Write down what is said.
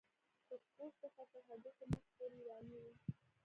د پوست څخه تر هډوکو مغز پورې ایرانی و.